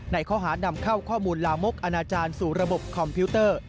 ในข้อหานำเข้าข้อมูลลามกอนาจารย์สู่ระบบคอมพิวเตอร์